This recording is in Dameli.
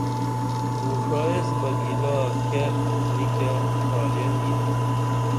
مسو ݜا ایس بہ گِلا کیہ نی کیہ ڇھارین یینا